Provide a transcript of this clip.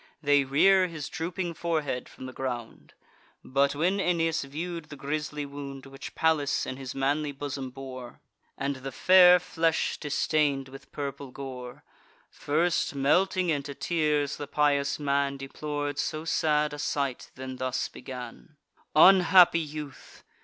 They rear his drooping forehead from the ground; But, when Aeneas view'd the grisly wound Which Pallas in his manly bosom bore, And the fair flesh distain'd with purple gore; First, melting into tears, the pious man Deplor'd so sad a sight, then thus began: "Unhappy youth!